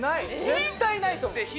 絶対ないと思う。